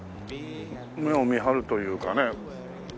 目を見張るというかね